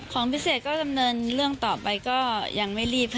ของพิเศษก็ดำเนินเรื่องต่อไปก็ยังไม่รีบค่ะ